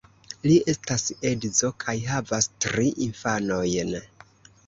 Li estas edzo kaj havas tri infanojn.